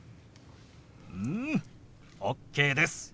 うんＯＫです。